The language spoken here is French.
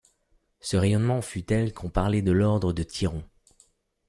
Ce rayonnement fut tel qu'on parlait de l'ordre de Tiron.